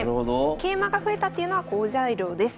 桂馬が増えたっていうのは好材料です。